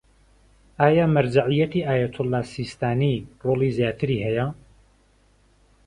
ئایا مەرجەعیەتی ئایەتوڵا سیستانی ڕۆڵی زیاتری هەیە؟